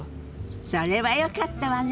それはよかったわね。